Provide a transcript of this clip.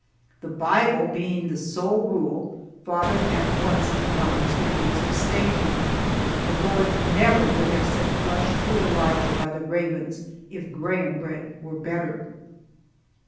The Bible being the sole rule, father at once acknowledged that he was mistaken. The Lord never would have sent flesh to Elijah by the ravens if graham bread were better.